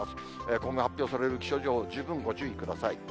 今後発表される気象情報、十分ご注意ください。